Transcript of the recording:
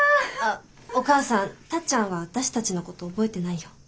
あっお母さんタッちゃんは私たちのこと覚えてないよ。